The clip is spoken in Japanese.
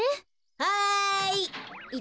はい。